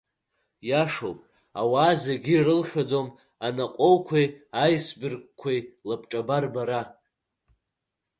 Иашоуп, ауаа зегьы ирылшаӡом анаҟәоуқәеи аисбергқәеи лабҿаба рбара.